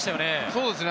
そうですね。